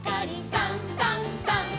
「さんさんさん」